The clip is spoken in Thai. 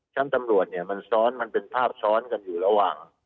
ชั้นสำรวจมันเป็นภาพซ้อนกันอยู่ระหว่าง